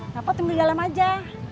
bapak tunggu di dalam aja